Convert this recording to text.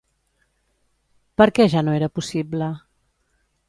Per què ja no era possible?